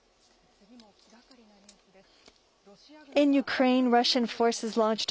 次も気がかりなニュースです。